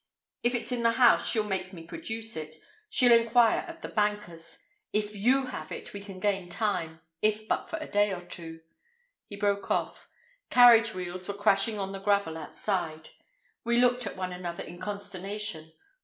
If it's in the house she'll make me produce it. She'll inquire at the banker's. If you have it we can gain time, if but for a day or two." He broke off. Carriage wheels were crashing on the gravel outside. We looked at one another in consternation.